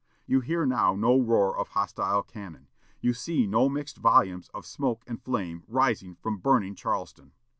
You hear now no roar of hostile cannon, you see no mixed volumes of smoke and flame rising from burning Charlestown.